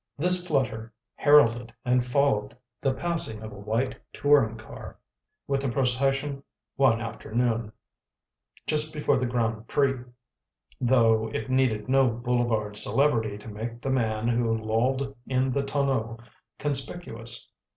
This flutter heralded and followed the passing of a white touring car with the procession one afternoon, just before the Grand Prix, though it needed no boulevard celebrity to make the man who lolled in the tonneau conspicuous.